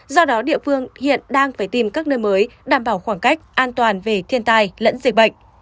do đó địa phương hiện đang phải tìm các nơi mới đảm bảo khoảng cách an toàn về thiên tai lẫn dịch bệnh